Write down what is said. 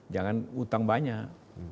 jangan utang banyak